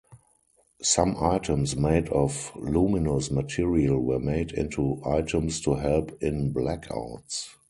Some items made of luminous material were made into items to help in blackouts.